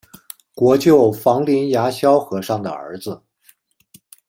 国舅房林牙萧和尚的儿子。